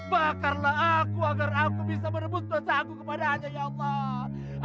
bakarlah aku agar aku bisa menembus rasa aku kepada dia ya allah